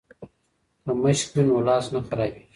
که مشق وي نو لاس نه خرابیږي.